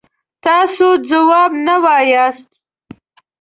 تاسو ځواب نه وایاست.